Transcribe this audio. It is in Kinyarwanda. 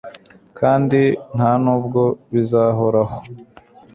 kandi nta n'ubwo bizahoraho